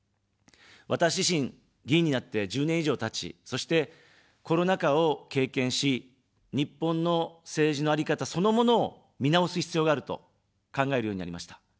私自身、議員になって１０年以上たち、そして、コロナ禍を経験し、日本の政治のあり方そのものを見直す必要があると考えるようになりました。